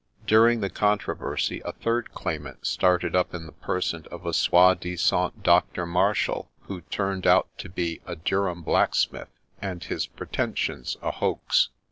During the controversy a third claimant started up in the person of a soi disant ' Doctor Marshall,' who turned out to be a Durham blacksmith and his pretensions a hoax.